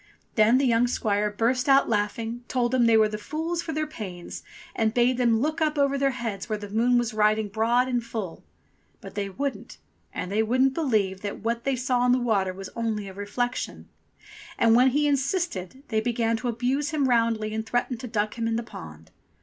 Then the young squire burst out no ENGLISH FAIRY TALES laughing, told them they were fools for their pains, and bade them look up over their heads where the moon was riding broad and full. But they wouldn't, and they wouldn't believe that what they saw in the water was only a reflection. And when he insisted they began to abuse him roundly and threaten to duck him in the pond.